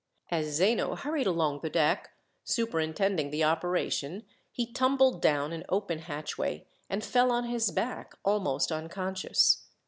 As Zeno hurried along the deck, superintending the operation, he tumbled down an open hatchway, and fell on his back, almost unconscious.